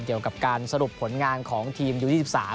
เกี่ยวกับการสรุปผลงานของทีมยู๒๓